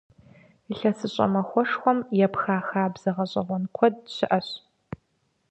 ИлъэсыщӀэ махуэшхуэм епха хабзэ гъэщӀэгъуэн куэд щыӀэщ.